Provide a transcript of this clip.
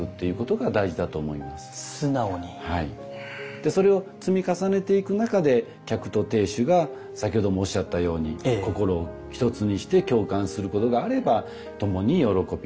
でそれを積み重ねていく中で客と亭主が先ほどもおっしゃったように心を一つにして共感することがあれば共に喜び